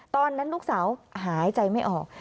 ตอนนั้นลูกสาวหายใจไม่ออก